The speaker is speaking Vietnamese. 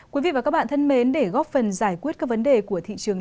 quý vị và các bạn thân mến để góp phần giải quyết các vấn đề của thị trường